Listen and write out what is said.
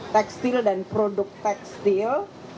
tekstil dan produk tekstil